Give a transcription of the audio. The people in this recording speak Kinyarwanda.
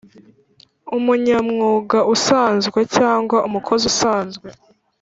umunyamwuga usanzwe cyangwa umukozi usanzwe